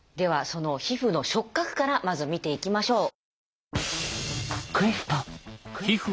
その皮膚の触覚からまず見ていきましょう。